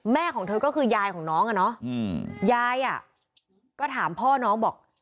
ของเธอก็คือยายของน้องอ่ะเนาะยายอ่ะก็ถามพ่อน้องบอก